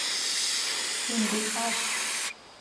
¿Intixaazc?